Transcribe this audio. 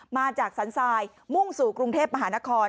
มาจากสันทรายมุ่งสู่กรุงเทพมหานคร